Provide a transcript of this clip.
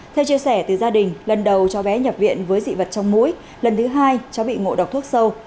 theo chia sẻ từ gia đình lần đầu cho bé nhập viện với dị vật trong mũi lần thứ hai cháu bị ngộ độc thuốc sâu